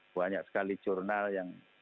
banyak sekali jurnal yang